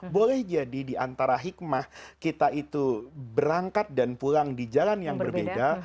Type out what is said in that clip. boleh jadi diantara hikmah kita itu berangkat dan pulang di jalan yang berbeda